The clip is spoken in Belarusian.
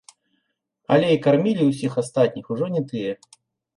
Але і кармілі ўсіх астатніх, ужо не тыя.